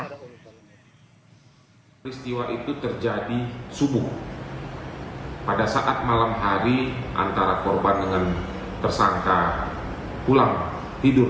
hai peristiwa itu terjadi subuh pada saat malam hari antara korban dengan tersangka pulang tidur